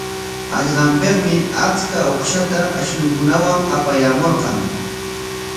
Hallqapikmi achka uqshata ashnunkunawan apayaamurqan.